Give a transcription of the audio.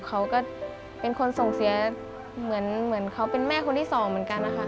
เขาก็เป็นคนส่งเสียเหมือนเขาเป็นแม่คนที่สองเหมือนกันนะคะ